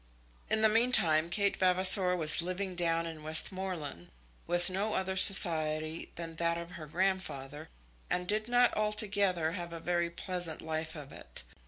In the meantime Kate Vavasor was living down in Westmoreland, with no other society than that of her grandfather, and did not altogether have a very pleasant life of it.